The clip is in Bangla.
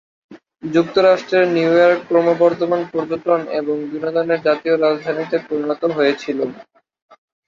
যুক্তরাষ্ট্রের, নিউইয়র্ক ক্রমবর্ধমান পর্যটন এবং বিনোদনের জাতীয় রাজধানীতে পরিণত হয়েছিল।